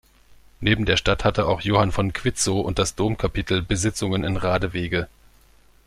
Neben der Stadt hatte auch Johann von Quitzow und das Domkapitel Besitzungen in Radewege.